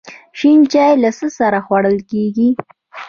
شین چای له څه سره خوړل کیږي؟